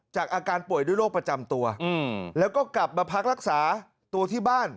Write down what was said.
อาการป่วยด้วยโรคประจำตัวแล้วก็กลับมาพักรักษาตัวที่บ้าน